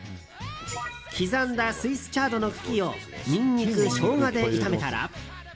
刻んだスイスチャードの茎をニンニク、ショウガで炒めたら。